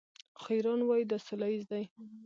خو ایران وايي دا سوله ییز دی.